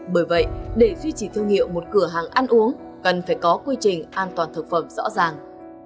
bởi vậy để duy trì thương hiệu một cửa hàng ăn uống cần phải có quy trình an toàn thực phẩm rõ ràng